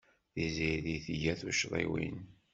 Tiziri tga tuccḍiwin.